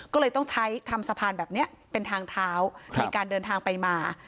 ก็เลยต้องใช้ทำสะพานแบบนี้เป็นทางเท้าในการเดินทางไปมา